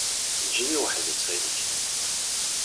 Eǧǧ-iyi weḥd-i, ttxil-k.